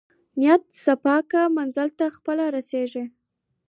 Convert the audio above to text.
نیت صفاء کړه منزل ته خپله رسېږې.